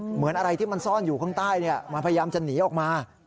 เหมือนอะไรที่มันซ่อนอยู่ข้างใต้มันพยายามจะหนีออกมา